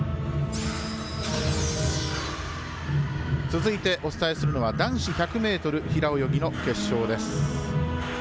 続いて、お伝えするのは男子１００ｍ平泳ぎの決勝です。